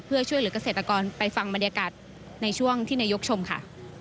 เพื่อช่วยเหลือกเกษตรกรไปฟังบรรยากาศในช่วงที่นายกชมค่ะ